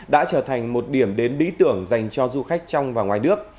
đã trở thành một điểm đến lý tưởng dành cho du khách trong và ngoài nước